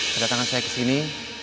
kedatangan saya kesini